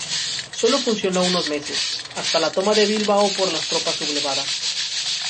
Sólo funcionó unos meses, hasta la toma de Bilbao por las tropas sublevadas.